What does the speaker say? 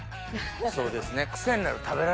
そうですね。